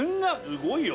すごいよ。